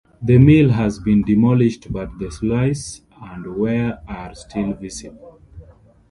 The mill has been demolished, but the sluices and weir are still visible.